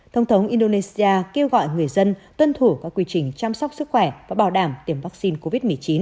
thông thống indonesia kêu gọi người dân tuân thủ các quy trình chăm sóc sức khỏe và bảo đảm tiêm vaccine covid một mươi chín